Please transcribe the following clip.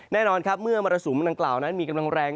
แน่นอนครับเมื่อมรสุมดังกล่าวนั้นมีกำลังแรง